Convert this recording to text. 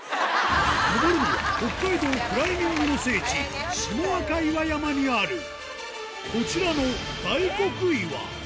登るのは、北海道クライミングの聖地、下赤岩山にあるこちらの大黒岩。